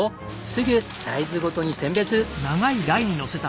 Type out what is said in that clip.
すぐサイズごとに選別。